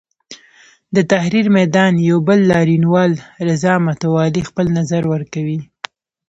د تحریر میدان یو بل لاریونوال رضا متوالي خپل نظر ورکوي.